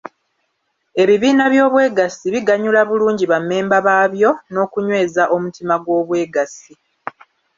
Ebibiina by’obwegassi biganyula bulungi bammemba baabyo n’okunyweza omutima gw’obwegassi.